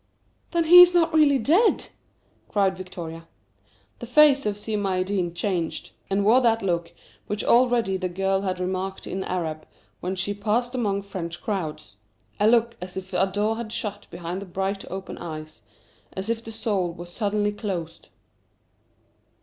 "Then he is not really dead!" cried Victoria. The face of Si Maïeddine changed, and wore that look which already the girl had remarked in Arab men she had passed among French crowds: a look as if a door had shut behind the bright, open eyes; as if the soul were suddenly closed.